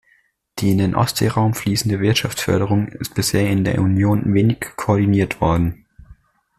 Die in den Ostseeraum fließende Wirtschaftsförderung ist bisher in der Union wenig koordiniert worden.